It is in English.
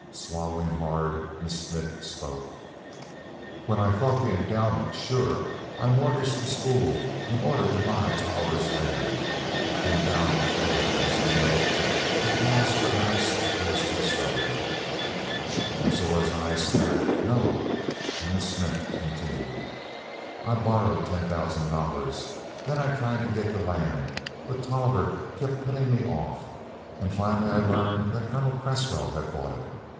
Swallowing hard, Miss Smith spoke. "When I thought the endowment sure, I mortgaged the school in order to buy Tolliver's land. The endowment failed, as you know, because perhaps I was too stubborn." But Zora's eyes snapped "No!" and Miss Smith continued: "I borrowed ten thousand dollars. Then I tried to get the land, but Tolliver kept putting me off, and finally I learned that Colonel Cresswell had bought it.